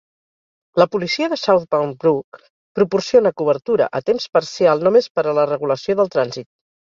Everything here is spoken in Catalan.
La policia de South Bound Brook proporciona cobertura a temps parcial només per a la regulació del trànsit.